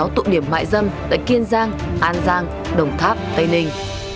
bảy mươi sáu tụ điểm mại dâm tại kiên giang an giang đồng tháp tây ninh